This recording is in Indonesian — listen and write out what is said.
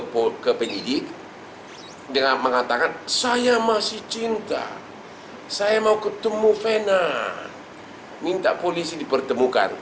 pol ke penyidik dengan mengatakan saya masih cinta saya mau ketemu fena minta polisi dipertemukan